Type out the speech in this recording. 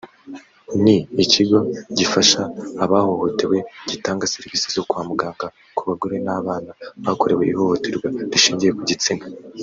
ni ikigo gifasha abahohotewe gitanga serivisi zo kwa muganga ku bagore n’abana bakorewe ihohoterwa rishingiye ku gitsina